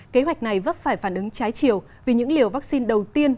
kế hoạch này vấp phải phản ứng trái chiều vì những liều vaccine đầu tiên